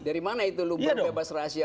dari mana itu lubuk bebas rahasia